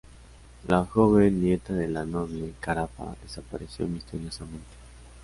La joven, nieta de la noble Carafa, desapareció misteriosamente.